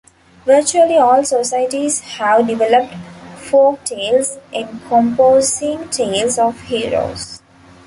Virtually all societies have developed folk tales encompassing tales of heroes.